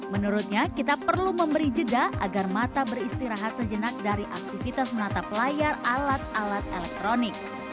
menurutnya kita perlu memberi jeda agar mata beristirahat sejenak dari aktivitas menatap layar alat alat elektronik